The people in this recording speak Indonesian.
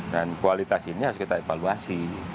dan kualitas ini harus kita evaluasi